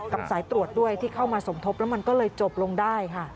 สายตรวจด้วยที่เข้ามาสมทบแล้วมันก็เลยจบลงได้ค่ะ